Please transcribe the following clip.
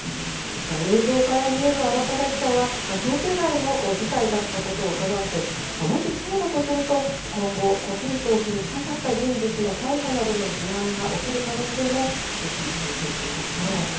映像から見える慌ただしさは、想定外の事態だったことをうかがわせ、もしそうだとすると、今後、胡錦涛氏に近かった人物の逮捕などの事案が起きる可能性も指摘されているんですね。